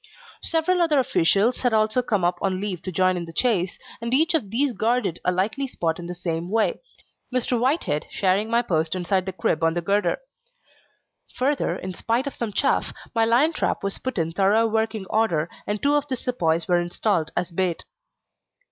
Several other officials had also come up on leave to join in the chase, and each of these guarded a likely spot in the same way, Mr. Whitehead sharing my post inside the crib on the girder. Further, in spite of some chaff, my lion trap was put in thorough working order, and two of the sepoys were installed as bait.